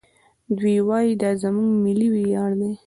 دوی وايي دا زموږ ملي ویاړ دی.